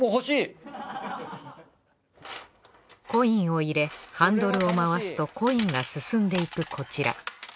コインを入れハンドルを回すとコインが進んでいくこちら。